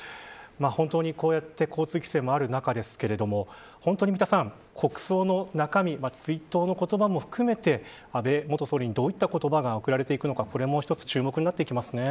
こうやって交通規制もある中で本当に三田さん、国葬の中身追悼の言葉も含めて安倍元総理に、どういった言葉が送られていくのかこれも１つ注目になってきますね。